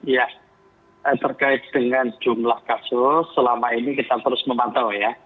ya terkait dengan jumlah kasus selama ini kita terus memantau ya